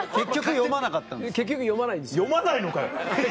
読まないのかよ！